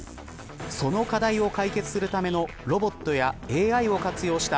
その課題を解決するためのロボットやＡＩを活用した